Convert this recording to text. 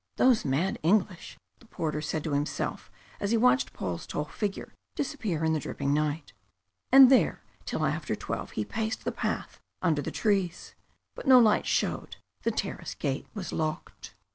"Those mad English!" the porter said to himself, as he watched Paul's tall figure disappear in the dripping night. And there till after twelve he paced the path under the trees. But no light showed; the terrace gate was locked.